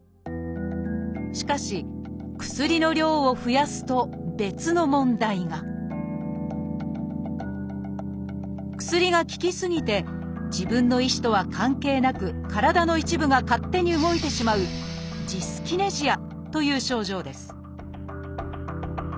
しかし薬の量を増やすと別の問題が薬が効き過ぎて自分の意思とは関係なく体の一部が勝手に動いてしまう「ジスキネジア」という症状です